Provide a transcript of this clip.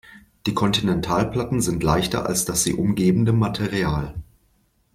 Die Kontinentalplatten sind leichter als das sie umgebende Material.